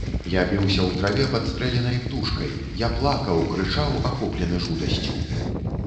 Я біўся ў траве падстрэленай птушкай, я плакаў, крычаў, ахоплены жудасцю.